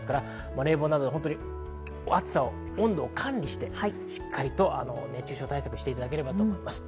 冷房などで温度を管理してしっかりと熱中症対策していただければと思います。